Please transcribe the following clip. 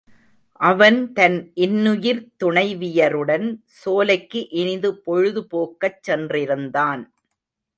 அவன் தன் இன்னுயிர்த் துணைவியருடன் சோலைக்கு இனிது பொழுது போக்கச் சென்றிருந்தான்.